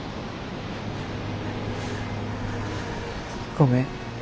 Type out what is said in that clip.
ごめん